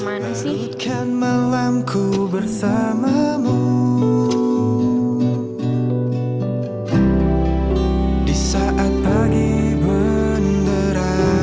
hapuskan semua memori indah